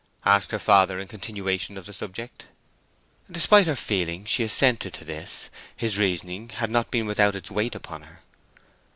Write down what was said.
asked her father, in continuation of the subject. Despite her feeling she assented to this. His reasoning had not been without its weight upon her.